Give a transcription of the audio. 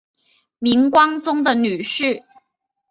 明光宗的女婿。